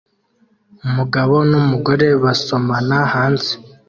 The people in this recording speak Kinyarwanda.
Umugabo numugore basomana hanze